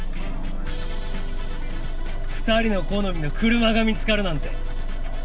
２人の好みの車が見つかるなんて！